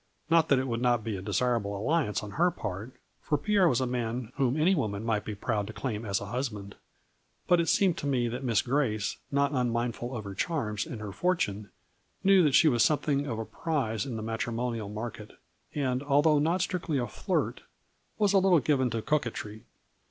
Not that it would not be a desirable alliance on her part, for Pierre was a man whom any woman might be proud to claim as a husband ; but it seemed to me that Miss Grace, not unmindful of her charms and her fortune, knew that she was something of a prize in the matrimonial market, and, although not strictly a flirt, was a little given to coquetry.